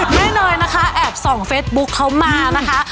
ไม่เนยนะคะแอบส่องเฟซบุ๊คเขามานะคะ